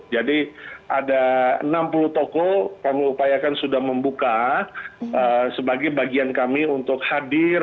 jadi ada enam puluh toko kami upayakan sudah membuka sebagai bagian kami untuk hadir